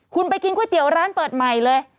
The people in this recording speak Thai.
คุณไปกินก๋วยเตี๋ยวร้านเปิดใหม่เลย